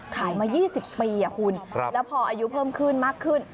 ขายมา๒๐ปีคุณแล้วพออายุเพิ่มขึ้นมากขึ้น